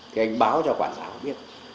thì anh báo cho quản giáo biết